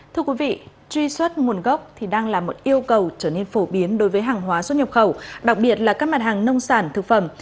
thưa quý vị truy xuất nguồn gốc thì đang là một yêu cầu trở nên phổ biến đối với hàng hóa xuất nhập khẩu đặc biệt là các mặt hàng nông sản thực phẩm